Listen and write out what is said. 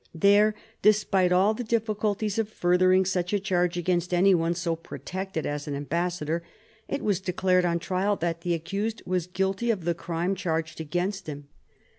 There, despite all the difficulties of furthering such a charge against any one so protected as an ambassador, it was declared on trial that the accused was guilty of the crime charged against him.